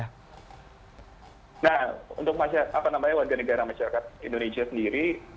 nah untuk apa namanya warga negara masyarakat indonesia sendiri